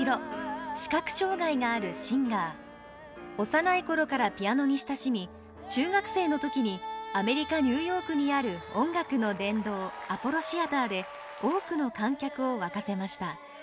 幼い頃からピアノに親しみ中学生の時にアメリカ・ニューヨークにある音楽の殿堂アポロシアターで多くの観客を沸かせました。